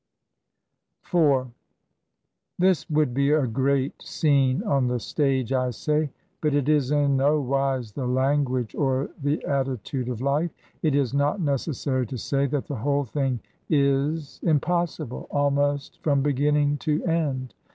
IV This would be a great scene on the stage, I say, but it is in no wise the language or the attitude of life. It is not necessary to say that the whole thing is impossible, almost from beginning to end.